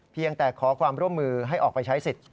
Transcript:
เพียงแต่ขอความร่วมมือให้ออกไปใช้สิทธิ์